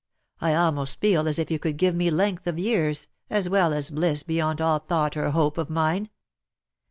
I almost feel as if you could give me length of years, as well as bliss beyond all thought or hope of mine.